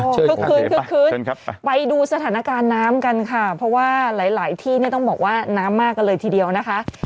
อ๋อเชิญครับไปดูสถานการณ์น้ำกันค่ะเพราะว่าหลายที่ต้องบอกว่าน้ำมากเลยทีเดียวนะคะ